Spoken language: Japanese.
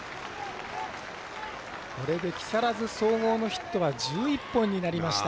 木更津総合のヒットは１１本になりました。